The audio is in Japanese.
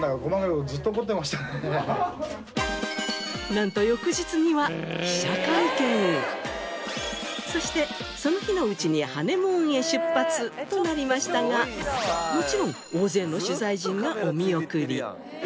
なんとそしてその日のうちにハネムーンへ出発となりましたがもちろん大勢の取材陣がお見送り。